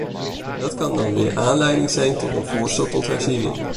Dat kan dan weer aanleiding zijn tot een voorstel tot herziening.